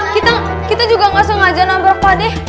kita kita juga nggak sengaja nabrak pak ade